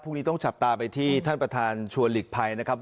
ต้องจับตาไปที่ท่านประธานชวนหลีกภัยนะครับ